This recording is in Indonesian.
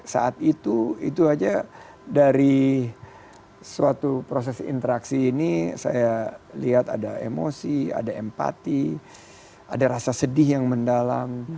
saat itu itu aja dari suatu proses interaksi ini saya lihat ada emosi ada empati ada rasa sedih yang mendalam